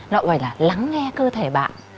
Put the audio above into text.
nó gọi là lắng nghe cơ thể bạn